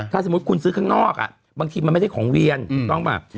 ถ้าสมมุติคุณซื้อข้างนอกบางทีมันไม่ได้ของเวียนถูกต้องป่ะ